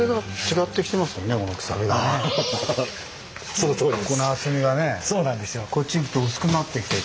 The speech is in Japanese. そのとおりです。